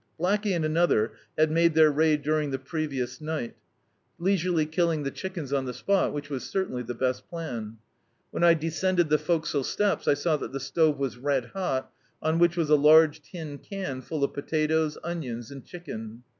Blacky and another had made their raid during the previous nig^t, leisurely killing the chickens on the D,i.,.db, Google The Cattleman's Office spot, which was certainly die best plan. When I descended the forecastle steps, I saw that the stove was red hot, on whidi was a large tin can full of potatoes, onions and chicken.